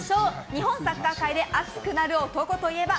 日本サッカー界で熱くなる男といえば？